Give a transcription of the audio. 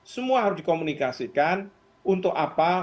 semua harus dikomunikasikan untuk apa